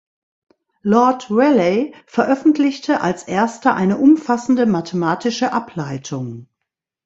Lord Rayleigh veröffentlichte als erster eine umfassende mathematische Ableitung.